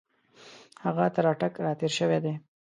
هغه تر اټک را تېر شوی دی.